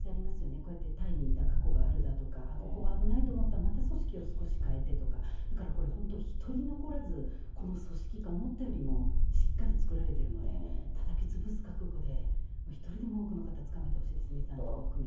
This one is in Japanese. こうやってタイにいた過去があるだとか、ここが危ないと思ったらまた組織を少し変えてとか、だからこれ、本当、１人残らずこの組織が思ったよりもしっかり作られてるので、たたきつぶす覚悟で１人でも多くの方、捕まえてほしいですね、残党も含めて。